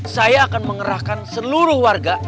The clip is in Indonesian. saya akan mengerahkan seluruh warga